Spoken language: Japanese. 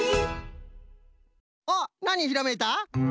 あっなにひらめいた？